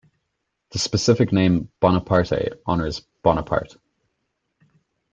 The specific name "bonapartei" honours Bonaparte.